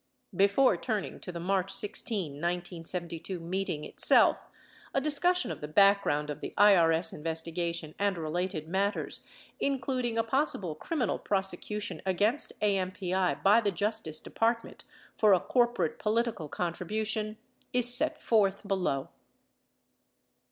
Before turn ing to the March 16. 1972, meeting itself, a discussion of the background of the IRS investigation and related matters — including a possible criminal prosecution against AMPI by the J ustiee Department for a corporate political contribution — is set forth below.